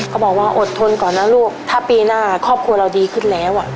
บอกว่าอดทนก่อนนะลูกถ้าปีหน้าครอบครัวเราดีขึ้นแล้ว